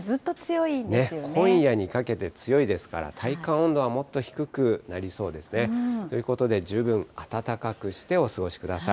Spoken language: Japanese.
今夜にかけて強いですから、体感温度はもっと低くなりそうですね。ということで、十分暖かくしてお過ごしください。